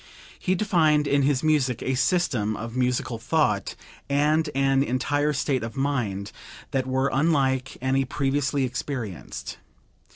He defined in his music a system of musical thought and an entire state of mind that were unlike any previously experienced.